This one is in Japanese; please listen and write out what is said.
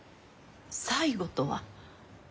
「最後」とは？